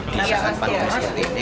di saat panasnya ini